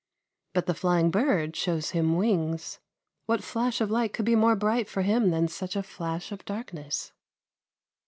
But the flying bird shows him wings. What flash of light could be more bright for him than such a flash of darkness?